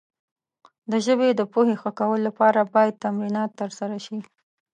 د ژبې د پوهې ښه کولو لپاره باید تمرینات ترسره شي.